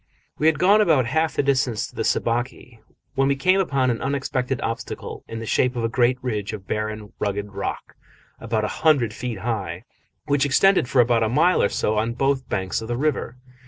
We had gone about half the distance to the Sabaki when we came upon an unexpected obstacle in the shape of a great ridge of barren, rugged rock, about a hundred feet high, which extended for about a mile or so on both banks of the river.